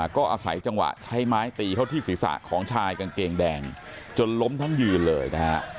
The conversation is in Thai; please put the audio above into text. ก็อาศัยจังหวะใช้ไม้ตีเข้าที่ศีรษะของชายกางเกงแดงจนล้มทั้งยืนเลยนะฮะ